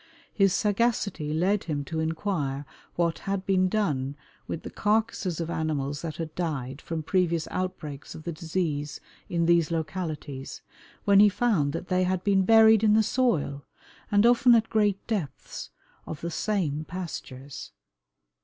His sagacity led him to inquire what had been done with the carcasses of animals that had died from previous outbreaks of the disease in these localities, when he found that they had been buried in the soil and often at great depths, of the same pastures.